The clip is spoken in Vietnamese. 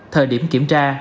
thời điểm kiểm tra